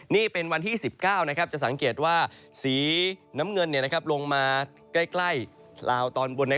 นี่เป็นวันที่๑๙จะสังเกตว่าสีน้ำเงินลงมาใกล้ลาวตอนบน